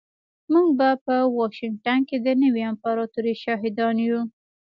موږ به په واشنګټن کې د نوې امپراتورۍ شاهدان یو